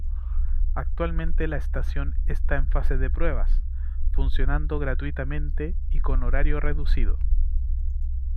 Actualmente la estación esta en fase de pruebas, funcionando gratuitamente y con horario reducido.